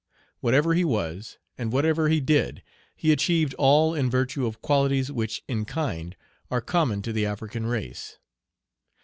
Whatever he was, and whatever he did, he achieved all in virtue of qualities which in kind are common to the African race.